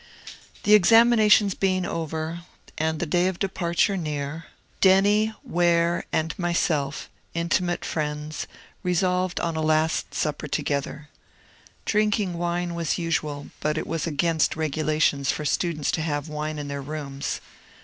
The examinations being over, and the day of departure near. A NOBLE EXPIATION 181 Denny, Ware, and myself, intimate friends, resolved on a last sapper together. Drinking wine was usual, but it was against regulations for students to have wine in their rooms.